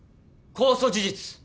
公訴事実。